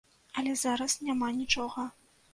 Але зараз няма нічога.